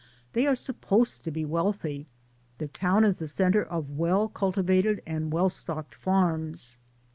They are supposed to be wealthy ; the town is the center of well cultivated and well stocked farms.